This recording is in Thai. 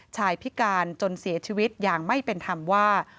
พิการจนเสียชีวิตอย่างไม่เป็นธรรมว่า